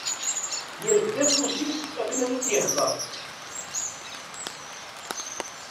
Yerfed afus-is akken ad d-yehder.